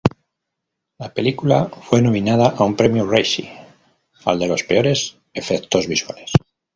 La película fue nominada a un Premio Razzie, al de los peores efectos visuales.